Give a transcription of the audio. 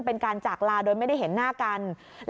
เป็นการจากลาโดยไม่ได้เห็นหน้ากัน